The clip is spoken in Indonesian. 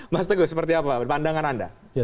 mas teguh seperti apa pandangan anda